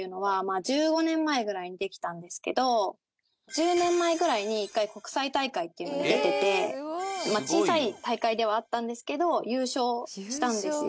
１０年前ぐらいに１回国際大会っていうのに出てて小さい大会ではあったんですけど優勝したんですよ